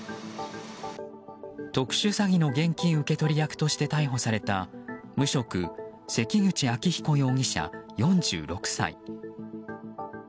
特殊詐欺の現金受け取り役として逮捕された無職・関口秋彦容疑者、４６歳。